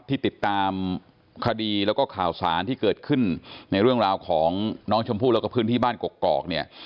ที่ติดตามคดีแล้วก็ข่าวสารที่เกิดขึ้นในเรื่องราวของน้องชมพู่แล้วก็พื้นที่บ้านกกอกเนี่ย